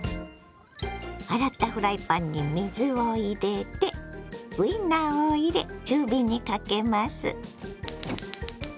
洗ったフライパンに水を入れてウインナーを入れ中火にかけます。